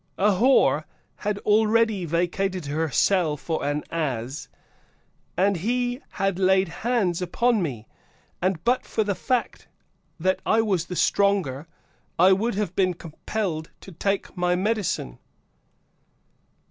A whore had already vacated her cell for an as, and he had laid hands upon me, and, but for the fact that I was the stronger, I would have been compelled to take my medicine."